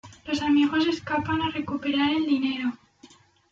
Los amigos escapan a recuperar el dinero.